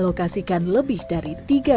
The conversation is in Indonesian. menjadi salah satu prioritas